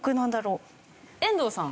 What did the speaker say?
遠藤さん。